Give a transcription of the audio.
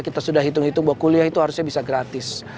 kita sudah hitung hitung bahwa kuliah itu harusnya bisa gratis